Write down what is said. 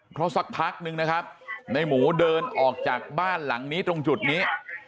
เพราะสักพักนึงนะครับในหมูเดินออกจากบ้านหลังนี้ตรงจุดนี้